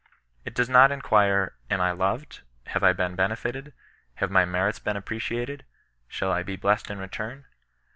It does not inquire " am I loved 1 have I been benefited 1 have my merits been appreciated 1 shall I be blessed in return